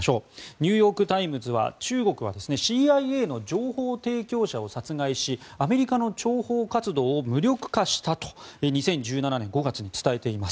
ニューヨーク・タイムズは中国はＣＩＡの情報提供者を殺害しアメリカの諜報活動を無力化したと２０１７年５月に伝えています。